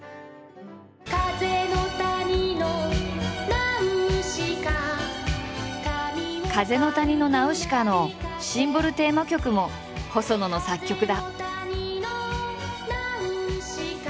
「風の谷のナウシカ」「風の谷のナウシカ」のシンボル・テーマ曲も細野の作曲だ。